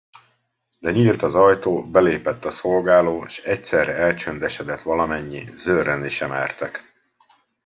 De nyílt az ajtó, belépett a szolgáló, s egyszerre elcsöndesedett valamennyi, zörrenni se mertek.